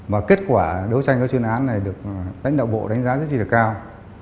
và kết quả đấu tranh các chuyên án này được đánh đạo bộ đánh giá rất là cao